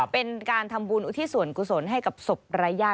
เป็นการทำบุญอุทิศส่วนกุศลให้กับศพรายญาติ